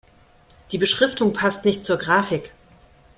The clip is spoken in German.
Die Beschriftung passt nicht zur Grafik.